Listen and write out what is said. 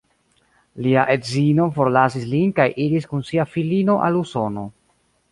Lia edzino forlasis lin kaj iris kun sia filino al Usono.